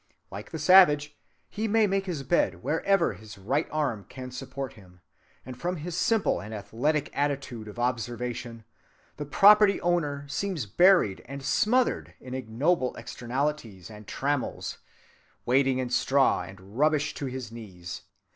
Like the savage, he may make his bed wherever his right arm can support him, and from his simple and athletic attitude of observation, the property‐owner seems buried and smothered in ignoble externalities and trammels, "wading in straw and rubbish to his knees."